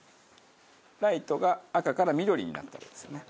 ライトが赤から緑になったらですね。